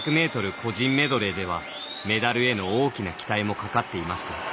個人メドレーではメダルへの大きな期待もかかっていました。